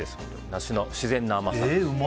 梨の自然な甘さ。